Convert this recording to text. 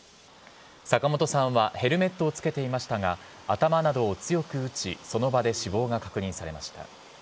坂本さんはヘルメットをつけていましたが、頭などを強く打ち、その場で死亡が確認されました。